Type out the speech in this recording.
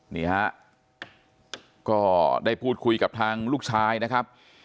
นี่ฮะก็ได้พูดคุยกับทางลูกชายนะครับ